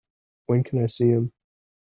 When can I see him?